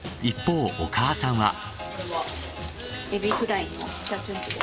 一方お母さんは。